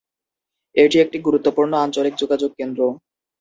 এটি একটি গুরুত্বপূর্ণ আঞ্চলিক যোগাযোগ কেন্দ্র।